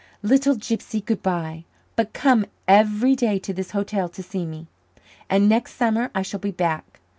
"Little gypsy, good by. But come every day to this hotel to see me. And next summer I shall be back.